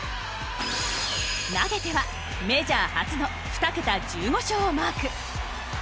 投げてはメジャー初の２桁１５勝をマーク。